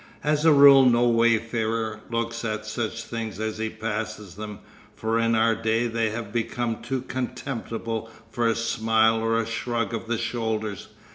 As a rule no wayfarer looks at such things as he passes them, for in our day they have become too contemptible for a smile or a shrug of the shoulders.